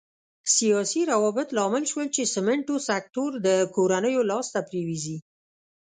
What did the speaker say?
سیاسي روابط لامل شول چې سمنټو سکتور د کورنیو لاس ته پرېوځي.